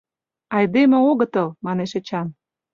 «Айдеме огытыл!» — манеш Эчан.